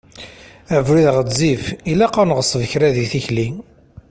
Abrid ɣezzif, ilaq ad neɣṣeb kra deg tikli.